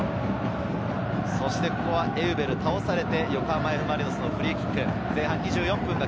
エウベル、倒されて、横浜Ｆ・マリノスのフリーキック。